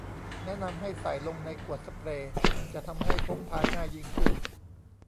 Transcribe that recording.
แนะนำให้ใส่ลงในขวดสเปรย์จะทำให้พกพาง่ายยิ่งขึ้น